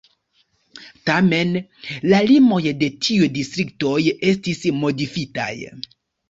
Tiam la limoj de tiuj distriktoj estis modifitaj.